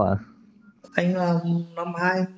anh làm năm hai nghìn một mươi sáu